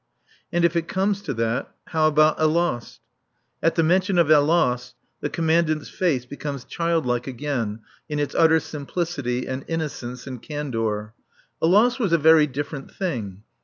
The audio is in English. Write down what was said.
And if it comes to that how about Alost? At the mention of Alost the Commandant's face becomes childlike again in its utter simplicity and innocence and candour. Alost was a very different thing.